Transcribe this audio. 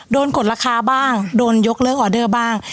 กดราคาบ้างโดนยกเลิกออเดอร์บ้าง